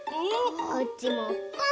こっちもポン！